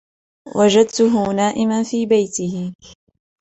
وجدته نائما في بيته.